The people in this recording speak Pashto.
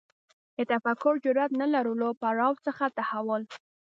د تفکر جرئت نه لرلو پړاو څخه تحول